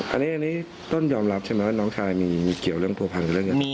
อันนี้ต้นยอมรับใช่ไหมว่าน้องชายมีเกี่ยวเรื่องผัวพันธ์เรื่องเงิน